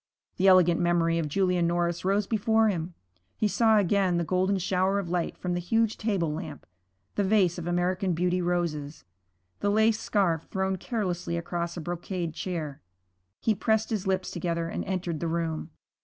The elegant memory of Julia Norris rose before him. He saw again the golden shower of light from the huge table lamp, the vase of American Beauty roses, the lace scarf thrown carelessly across a brocade chair. He pressed his lips together and entered the room.